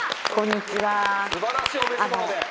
すばらしいお召し物で。